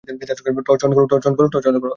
Torch on করো।